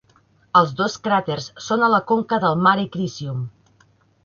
Els dos cràters són a la conca del Mare Crisium.